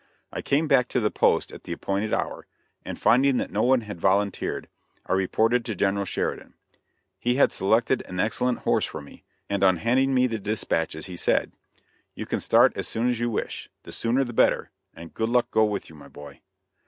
I came back to the post at the appointed hour, and finding that no one had volunteered, I reported to General Sheridan. He had selected an excellent horse for me, and on handing me the dispatches he said: "You can start as soon as you wish the sooner the better; and good luck go with you, my boy."